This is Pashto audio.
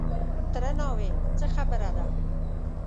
_تره ناوې! څه خبره ده؟